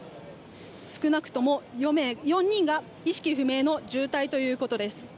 少なくとも４人が意識不明の重体ということです。